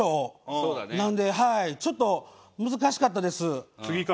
ちょっと難しかったです。